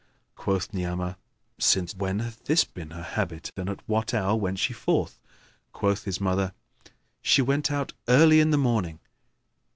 Quoth Ni'amah, "Since when hath this been her habit and at what hour went she forth?" Quoth his mother, "She went out early in the morning."